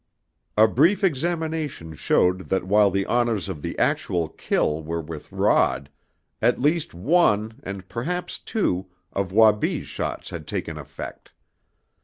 A brief examination showed that while the honors of the actual kill were with Rod, at least one, and perhaps two, of Wabi's shots had taken effect.